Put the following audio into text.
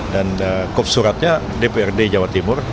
dan kopsuratnya dprd jawa timur